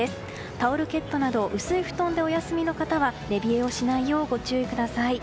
タオルケットなど薄い布団でお休みの方は寝冷えをしないようご注意ください。